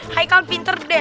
haikal pinter deh